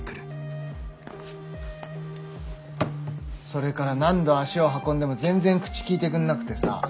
それから何度足を運んでも全然口きいてくんなくてさ。